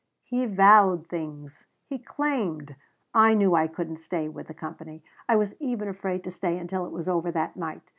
"He vowed things he claimed I knew I couldn't stay with the company. I was even afraid to stay until it was over that night.